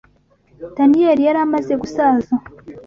Daniyeli yari amaze gusaza